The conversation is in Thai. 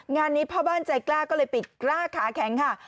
งานนี้พ่อบ้านใจกล้าก็เลยปิดกล้าขาแข็งค่ะ